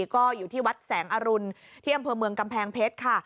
ก็อยู่ที่วัดแสงอรุณที่อำเภอเมืองกำแพงเพชรค่ะ